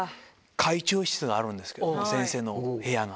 会長室があるんですけど、先生の部屋が。